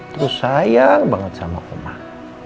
terus sayang banget sama koma